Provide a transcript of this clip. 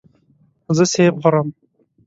زه سیب خورم.